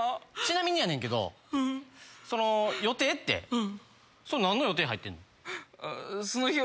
ちなみにやねんけどその予定って何の予定入ってんの？